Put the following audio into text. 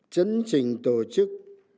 chấn trình tổ chức